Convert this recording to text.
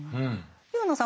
廣野さん